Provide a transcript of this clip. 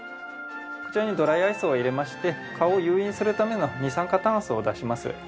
こちらにドライアイスを入れまして蚊を誘引するための二酸化炭素を出します。